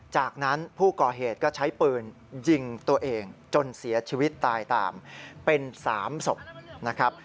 จากนั้นผู้ก่อเหตุก็ใช้ปืนยิงตัวเองจนเสียชีวิตตายตามเป็น๓ศพนะครับ